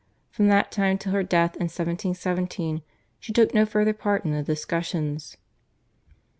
From that time till her death in 1717 she took no further part in the discussions.